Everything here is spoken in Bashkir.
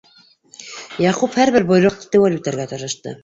Яҡуп һәр бер бойороҡто теүәл үтәргә тырышты.